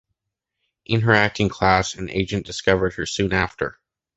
In her acting class an agent discovered her soon after.